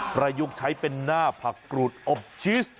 ประยุกต์ใช้เป็นหน้าผักกรูดอบชีส